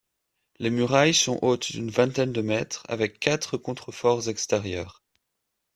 Les murailles sont hautes d'une vingtaine de mètres, avec quatre contreforts extérieurs.